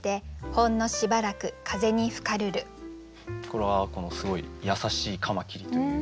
これはすごい優しいカマキリという。